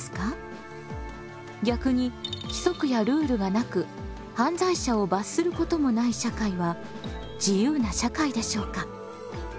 逆に規則やルールがなく犯罪者を罰することもない社会は自由な社会でしょうか？